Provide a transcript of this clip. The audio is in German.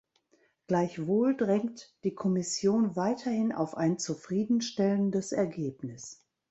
Gleichwohl drängt die Kommission weiterhin auf ein zufriedenstellendes Ergebnis.